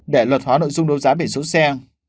để luật hóa nội dung đấu giá biển số xe